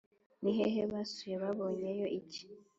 ni hehe basuye? babonyeyo iki?